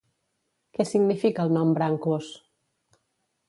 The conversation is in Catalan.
Què significa el nom Brancos?